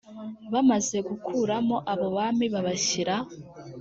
bamaze gukuramo abo bami babashyira